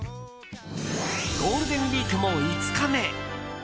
ゴールデンウィークも５日目。